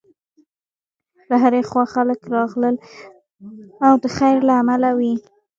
له هرې خوا خلک راغلل او د خیر له امله وې.